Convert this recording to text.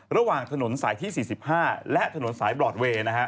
ระหว่างถนนสายที่๔๕และถนนสายบรอดเวย์นะฮะ